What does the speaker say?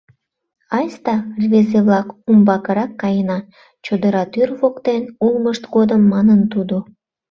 — Айста, рвезе-влак, умбакырак каена, — чодыра тӱр воктен улмышт годым манын тудо.